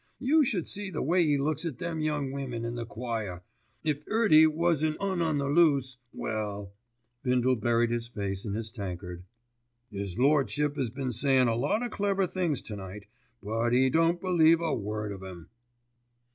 You should see the way 'e looks at them young women in the choir. If 'Earty was an 'Un on the loose, well——" Bindle buried his face in his tankard. "'Is Lordship 'as been sayin' a lot o' clever things to night; but 'e don't believe a word of 'em."